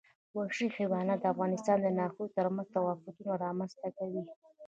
وحشي حیوانات د افغانستان د ناحیو ترمنځ تفاوتونه رامنځ ته کوي.